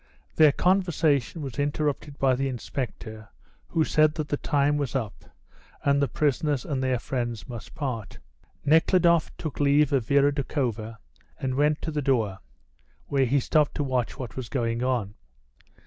Their conversation was interrupted by the inspector, who said that the time was up, and the prisoners and their friends must part. Nekhludoff took leave of Vera Doukhova and went to the door, where he stopped to watch what was going on.